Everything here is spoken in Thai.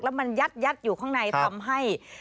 แล้วมันยัดอยู่ข้างในทำให้